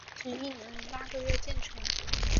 历时一年零八个月建成。